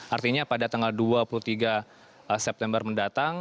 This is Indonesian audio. artinya pada tanggal dua puluh tiga september mendatang